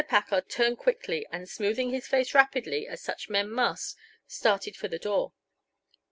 Packard turned quickly, and, smoothing his face rapidly, as such men must, started for the door.